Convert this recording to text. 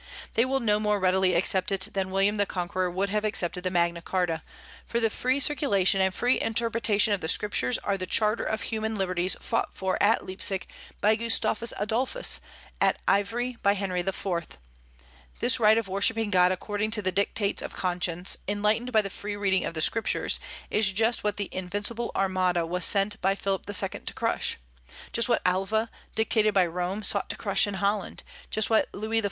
They will no more readily accept it than William the Conqueror would have accepted the Magna Charta; for the free circulation and free interpretation of the Scriptures are the charter of human liberties fought for at Leipsic by Gustavus Adolphus, at Ivry by Henry IV. This right of worshipping God according to the dictates of conscience, enlightened by the free reading of the Scriptures, is just what the "invincible armada" was sent by Philip II. to crush; just what Alva, dictated by Rome, sought to crush in Holland; just what Louis XIV.